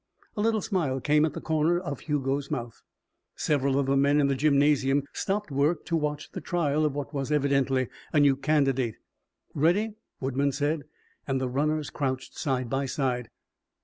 A little smile came at the corners of Hugo's mouth. Several of the men in the gymnasium stopped work to watch the trial of what was evidently a new candidate. "Ready?" Woodman said, and the runners crouched side by side.